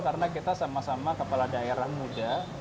karena kita sama sama kepala daerah muda